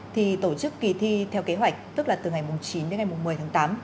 thì tổ chức kỳ thi theo kế hoạch tức là từ ngày chín đến ngày một mươi tháng tám